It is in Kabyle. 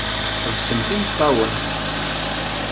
Tḥebsemt imeṭṭawen.